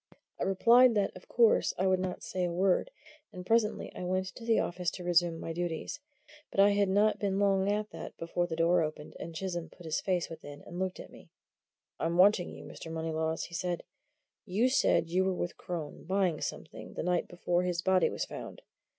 I replied that, of course, I would not say a word; and presently I went into the office to resume my duties. But I had not been long at that before the door opened, and Chisholm put his face within and looked at me. "I'm wanting you, Mr. Moneylaws," he said. "You said you were with Crone, buying something, that night before his body was found.